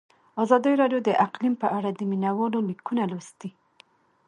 ازادي راډیو د اقلیم په اړه د مینه والو لیکونه لوستي.